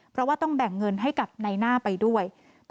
เพราะว่าต้องแบ่งเงินให้กับนายหน้าไปด้วย